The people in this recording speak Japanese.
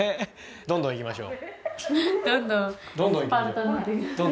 どんどんいきましょう。